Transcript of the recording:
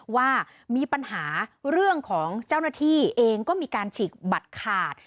ว่ามีปัญหาเรื่องของเจ้าหน้าที่เองก็มีการฉีกบัตรขาด